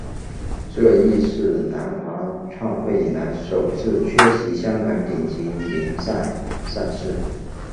这亦是南华创会以来首次缺席香港顶级联赛赛事。